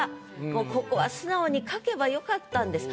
もうここは素直に書けば良かったんです。